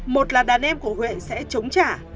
một là đàn em của huệ sẽ chống trả